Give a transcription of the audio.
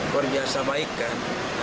berbiasa baik kan